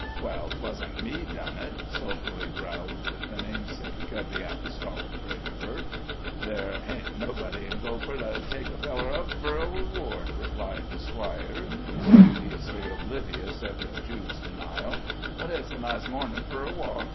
"Well, 'twasn't me done it," sulkily growled the namesake of the apostolic treasurer. "Ther' hain't nobody in Gopher that 'ud take a feller up fur a reward," replied the squire, studiously oblivious of Jude's denial; "but it's a nice mornin' fur a walk.